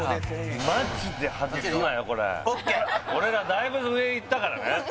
俺らだいぶ上言ったからね